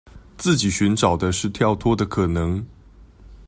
自己尋找的是跳脫的可能